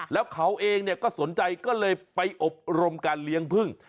แล้วเขาเองก็สนใจก็เลยไปอบรมการเลี้ยงพึ่ง